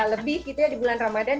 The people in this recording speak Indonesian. lebih gitu ya di bulan ramadan